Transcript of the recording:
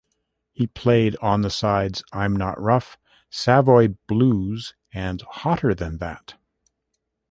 He played on the sides "I'm Not Rough", "Savoy Blues", and "Hotter Than That.